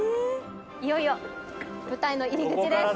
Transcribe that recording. いよいよ舞台の入り口です